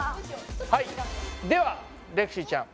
はいではレクシーちゃん。